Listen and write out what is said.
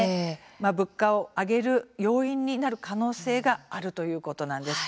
物価を上げる要因になる可能性があるということなんです。